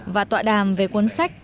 và tọa đàm về cuốn sách